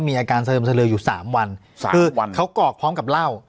มีอาการเลิมสลืออยู่สามวันสามคือวันเขากรอกพร้อมกับเหล้า